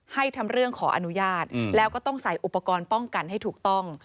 ทำเรื่องขออนุญาตแล้วก็ต้องใส่อุปกรณ์ป้องกันให้ถูกต้อง